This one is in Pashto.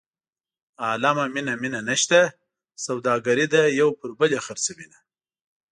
عالمه مینه مینه نشته سوداګري ده یو پر بل یې خرڅوینه.